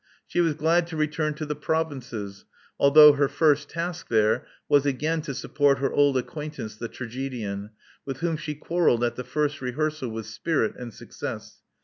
She was glad to return to the provinces, although her first task there was again to support her old acquaintance the tragedian, with whom she quarrelled at the first rehearsal with spirit and success.